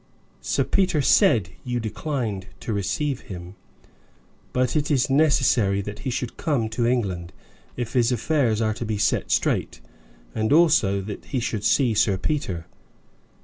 "Sir Peter said you declined to receive him. But it is necessary that he should come to England, if his affairs are to be set straight, and also that he should see Sir Peter."